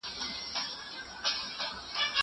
زه قلم نه استعمالوموم!؟